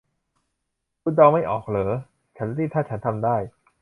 คุณเดาไม่ออกเหรอ 'ฉันรีบถ้าฉันทำได้'